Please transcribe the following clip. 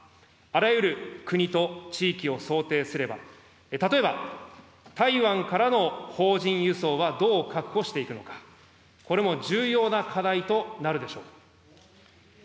あらゆる国と地域を想定すれば、例えば台湾からの邦人輸送はどう確保していくのか、これも重要な課題となるでしょう。